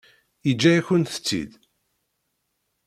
Yeǧǧa-yakent-t-id.